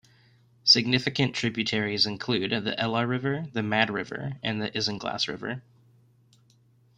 Significant tributaries include the Ela River, the Mad River, and the Isinglass River.